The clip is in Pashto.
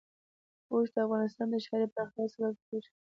اوښ د افغانستان د ښاري پراختیا سبب کېږي.